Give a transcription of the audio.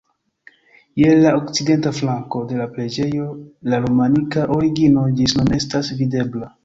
Je la okcidenta flanko de la preĝejo la romanika origino ĝis nun estas videbla.